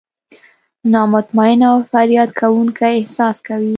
نا مطمئن او فریاد کوونکي احساس کوي.